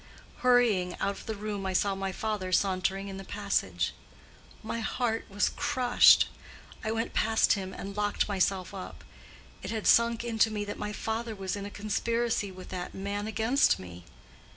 Hurrying out of the room I saw my father sauntering in the passage. My heart was crushed. I went past him and locked myself up. It had sunk into me that my father was in a conspiracy with that man against me.